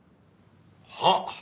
はっ。